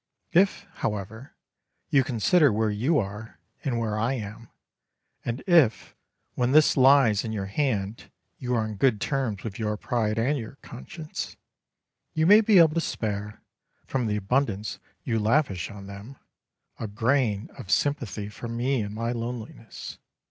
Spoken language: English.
If, however, you consider where you are and where I am, and if, when this lies in your hand, you are on good terms with your pride and your conscience, you may be able to spare, from the abundance you lavish on them, a grain of sympathy for me in my loneliness.